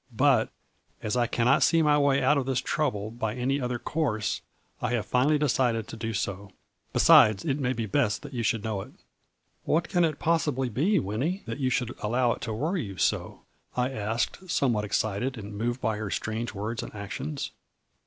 But, as I cannot see my way out of this trouble by any other course, I have final ly decided to do so. Besides, it may be best that you should know it/ "' What can it possibly be, Winnie, that you should allow it to worry you so ?' I asked, some what excited and moved by her strange words and actions.